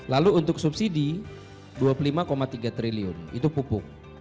lalu untuk subsidi dua puluh lima tiga triliun itu pupuk